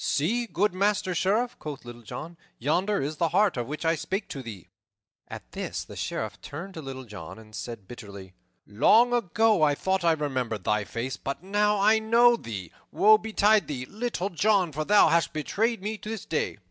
"See, good Master Sheriff," quoth Little John, "yonder is the hart of which I spake to thee." At this the Sheriff turned to Little John and said bitterly, "Long ago I thought I remembered thy face, but now I know thee. Woe betide thee, Little John, for thou hast betrayed me this day."